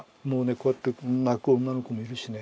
こうやって泣く女の子もいるしね。